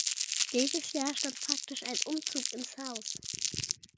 Jedes Jahr stand praktisch ein Umzug ins Haus.